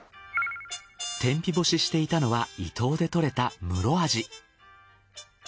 天日干ししていたのは伊東でとれたムロアジ。